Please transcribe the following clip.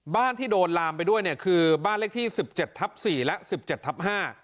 ที่โดนลามไปด้วยเนี่ยคือบ้านเลขที่๑๗ทับ๔และ๑๗ทับ๕